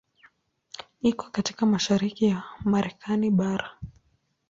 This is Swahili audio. Iko katika mashariki ya Marekani bara.